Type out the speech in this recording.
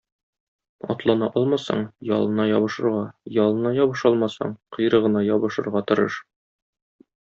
Атлана алмасаң, ялына ябышырга, ялына ябыша алмасаң, койрыгына ябышырга тырыш.